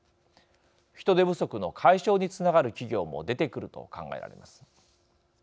人手不足の解消につながる企業も出てくると考えられます。